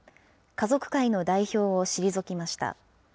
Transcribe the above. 家族会の代表を退きました。